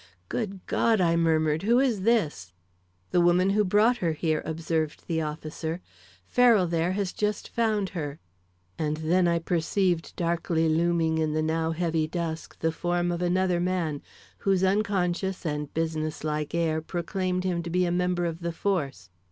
"Good God!" I murmured, "who is this?" "The woman who brought her here," observed the officer. "Farrell, there, has just found her." And then I perceived darkly looming in the now heavy dusk the form of another man, whose unconscious and business like air proclaimed him to be a member of the force.